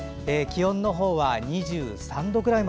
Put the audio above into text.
気温のほうは２３度くらい。